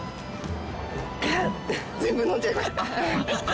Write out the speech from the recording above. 全部飲んじゃいました。